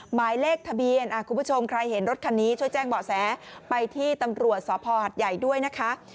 หมายเลขทะเบียนคุณผู้ชมใครเห็นรถคันนี้ช่วยแจ้งเบาะแสไปที่ตำรวจสภหัดใหญ่ด้วยนะคะ